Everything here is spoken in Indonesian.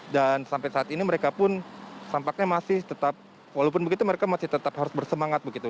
dan sampai saat ini mereka pun sampaknya masih tetap walaupun begitu mereka masih tetap harus bersemangat begitu